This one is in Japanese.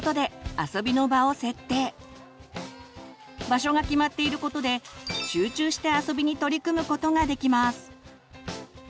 場所が決まっていることで集中して遊びに取り組むことができます。